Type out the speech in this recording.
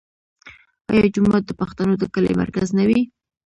آیا جومات د پښتنو د کلي مرکز نه وي؟